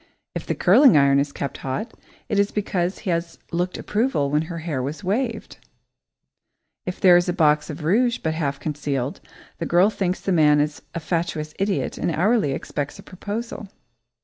If the curling iron is kept hot, it is because he has looked approval when her hair was waved. If there is a box of rouge but half concealed, the girl thinks the man is a fatuous idiot and hourly expects a proposal.